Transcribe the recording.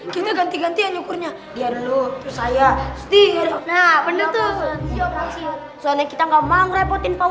kita ganti gantian ukurnya dia dulu saya setir nah bener tuh soalnya kita nggak mau repotin pak